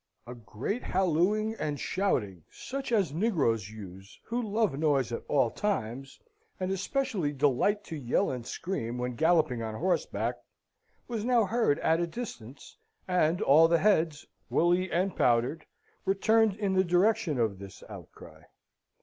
A great hallooing and shouting, such as negroes use, who love noise at all times, and especially delight to yell and scream when galloping on horseback, was now heard at a distance, and all the heads, woolly and powdered, were turned in the direction of this outcry.